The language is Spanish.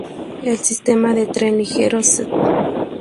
El sistema de tren ligero de St.